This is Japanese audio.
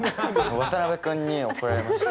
渡辺君に怒られました。